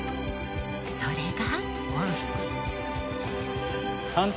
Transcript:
それが。